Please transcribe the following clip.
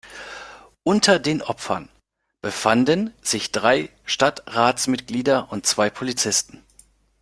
Unter den Opfern befanden sich drei Stadtratsmitglieder und zwei Polizisten.